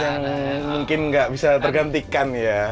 yang mungkin nggak bisa tergantikan ya